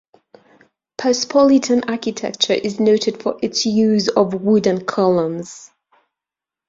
Persepolitan architecture is noted for its use of wooden columns.